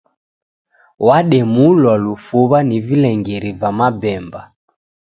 Wademulwa lufuw’a ni vilengeri va mabemba.